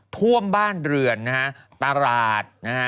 ท่วมบ้านเรือนตลาด